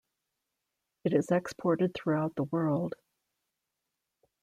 It is exported throughout the world.